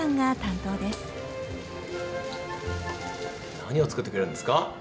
何を作ってくれるんですか？